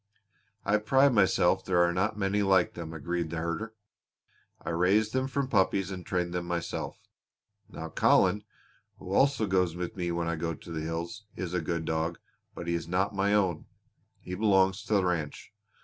"I pride myself there are not many like them," agreed the herder. "I raised them from puppies and trained them myself. Now Colin, who also goes with me when I go to the hills, is a good dog, but he is not my own. He belongs to the ranch.